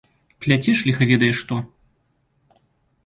Пляцеш ліха ведае што.